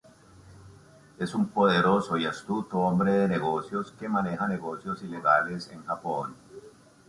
Es un poderoso y astuto hombre de negocios que maneja negocios ilegales en Japón.